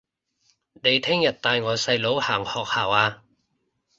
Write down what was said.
你聽日帶我細佬行學校吖